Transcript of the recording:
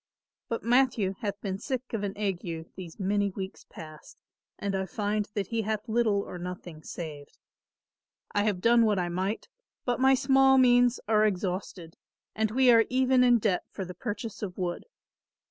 But Matthew hath been sick of an ague these many weeks past and I find that he hath little or nothing saved. I have done what I might but my small means are exhausted, and we are even in debt for the purchase of wood.